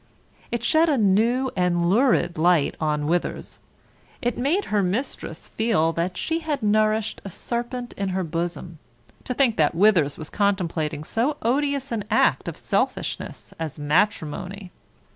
It shed a new and lurid light on Withers, it made her mistress feel that she had nourished a serpent in her bosom, to think that Withers was contemplating so odious an act of selfishness as matrimony.